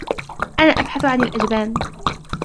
أنا أبحث عن الأجبان.